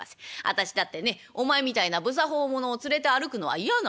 私だってねお前みたいな不作法者を連れて歩くのは嫌なんです。